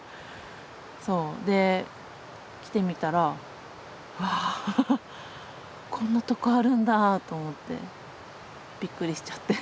で来てみたらあこんなとこあるんだと思ってびっくりしちゃって。